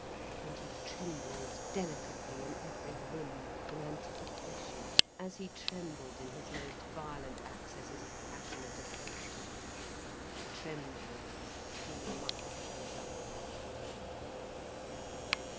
And he trembled delicately in every limb, in anticipation, as he trembled in his most violent accesses of passionate approach to her, trembling with too much desire.